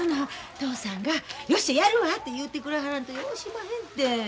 嬢さんが「よっしゃやるわ」て言うてくれはらんとようしまへんて。